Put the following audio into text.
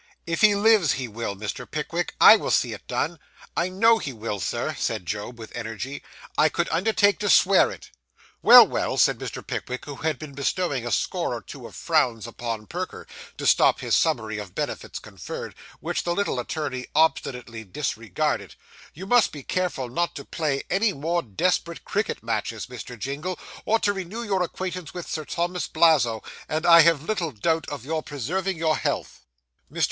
If he lives, he will, Mr. Pickwick. I will see it done. I know he will, Sir,' said Job, with energy. 'I could undertake to swear it.' 'Well, well,' said Mr. Pickwick, who had been bestowing a score or two of frowns upon Perker, to stop his summary of benefits conferred, which the little attorney obstinately disregarded, 'you must be careful not to play any more desperate cricket matches, Mr. Jingle, or to renew your acquaintance with Sir Thomas Blazo, and I have little doubt of your preserving your health.' Mr.